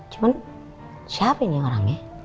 cuman siapa ini orangnya